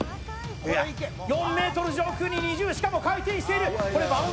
４ｍ上空に２０、しかも回転している。